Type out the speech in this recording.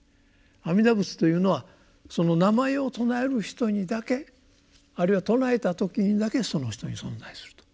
阿弥陀仏というのはその名前を称える人にだけあるいは称えた時にだけその人に存在すると。